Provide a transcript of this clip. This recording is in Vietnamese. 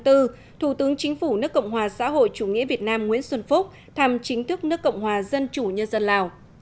thủ tướng chính phủ nước cộng hòa xã hội chủ nghĩa việt nam nguyễn xuân phúc thăm chính thức nước cộng hòa dân chủ nhân dân lào